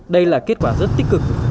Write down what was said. đây là kết quả rất nguy hiểm